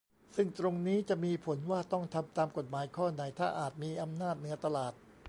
ซึ่งตรงนี้จะมีผลว่าต้องทำตามกฎหมายข้อไหน ถ้าอาจมีอำนาจเหนือตลาด